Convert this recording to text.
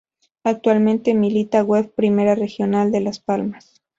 Actualmente milita web primera regional de Las Palmas.